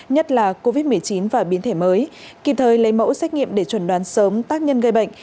nhất là covid một mươi chín và biến thể mới kịp thời lấy mẫu xét nghiệm để chuẩn đoán sớm tác nhân gây bệnh